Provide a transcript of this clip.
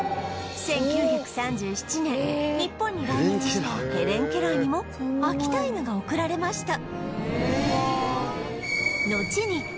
１９３７年日本に来日したヘレン・ケラーにも秋田犬が贈られました